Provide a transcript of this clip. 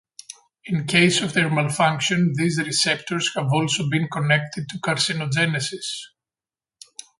In case of their malfunction, these receptors have also been connected to carcinogenesis.